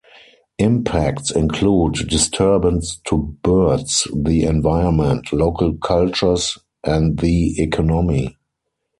Impacts include disturbance to birds, the environment, local cultures and the economy.